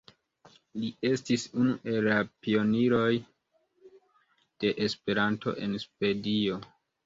Li estis unu el la pioniroj de Esperanto en Svedio.